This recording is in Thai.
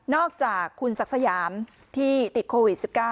อกจากคุณศักดิ์สยามที่ติดโควิด๑๙